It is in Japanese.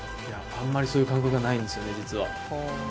あんまりそういう感覚がないんですよね、実は。